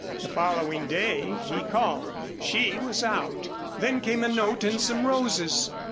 The following day he called. She was out. Then came a note and some roses.